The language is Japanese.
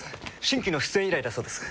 新規の出演依頼だそうです。